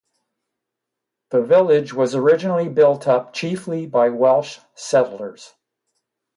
The village was originally built up chiefly by Welsh settlers.